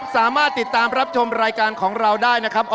สามารถติดตามรับชมรายการของเราได้นะครับ